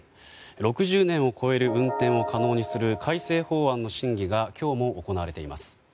６０年を超える運転を可能にする改正法案の審議が今日も行われています。